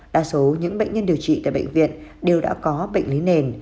đa số những bệnh nhân điều trị tại bệnh viện đều đã có bệnh lý nền